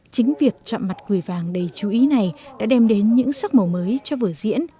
chính việc chọn mặt người vàng đầy chú ý này đã đem đến những sắc màu mới cho vở diễn